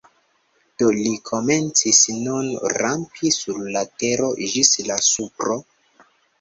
Do li komencis nun rampi sur la tero ĝis la supro.